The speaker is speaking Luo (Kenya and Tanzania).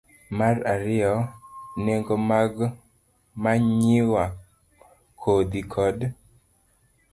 Mar ariyo, nengo mag manyiwa, kodhi, kod